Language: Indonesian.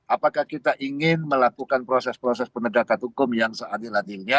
apakah kita ingin melakukan proses proses penegakan hukum yang seadil adilnya